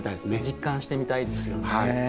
実感してみたいですよね。